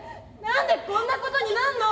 何でこんなことになんの？